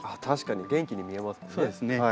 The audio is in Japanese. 確かに元気に見えますね。